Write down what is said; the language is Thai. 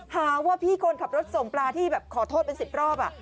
หาว่าพี่คนขับรถส่งปลาที่แบบขอโทษเป็น๑๐รอบ